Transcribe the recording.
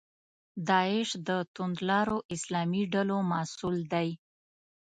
داعش د توندلارو اسلامي ډلو محصول دی.